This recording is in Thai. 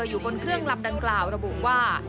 อยู่บนเครื่องลำดังกล่าวระบุว่า